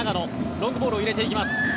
ロングボールを入れていきます。